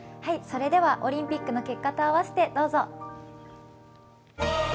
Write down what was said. それではオリンピックの結果と合わせて、どうぞ。